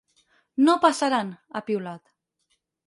No passaran!, ha piulat.